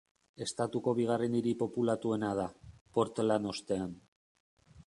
Estatuko bigarren hiri populatuena da, Portland ostean.